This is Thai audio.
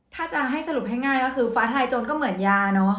ถ้าจะให้สรุปให้ง่ายก็คือฟ้าทลายโจรก็เหมือนยาเนอะ